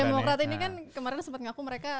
demokratia ini kan kemarin sempat ngaku mereka